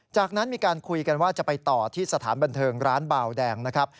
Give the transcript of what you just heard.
จากนั้นมีการคุยกันว่าจะไปต่อที่สถานบันเทิงร้านเบาแดงนะครับ